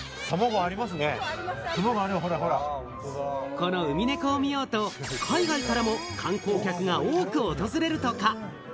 このウミネコを見ようと、海外からも観光客が多く訪れるとか。